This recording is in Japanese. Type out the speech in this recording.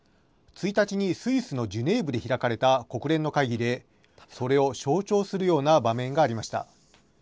１日にスイスのジュネーブで開かれた国連の会議で、それを象徴するような場面がありました。